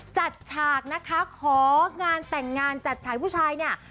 ฉากนะคะของานแต่งงานจัดฉายผู้ชายเนี่ย